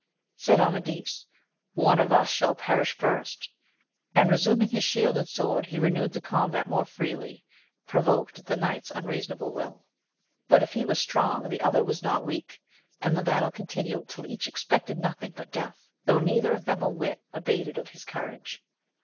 Said Amadis, One of us shall perish first ! and resuming his shield and sword, he renewed the combat more fiercely, i^rQVQkft.^ at the knight's unreasonable ViSl. ^>a.\» Si V^ "^"^^ 142 AMADIS OF GAtJL strong, the other was not weak, and the battle con tinued till each expected nothing but death, though neither of them a whit abated of his courage.